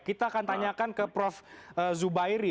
kita akan tanyakan ke prof zubairi